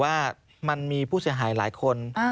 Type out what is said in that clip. ว่ามันมีผู้เสียหายหลายคน